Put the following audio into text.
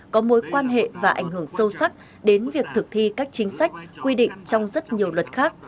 có mối quan hệ và ảnh hưởng sâu sắc đến việc thực thi các chính sách quy định trong rất nhiều luật khác